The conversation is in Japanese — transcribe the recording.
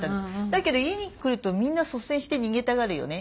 「だけど家に来るとみんな率先して逃げたがるよね」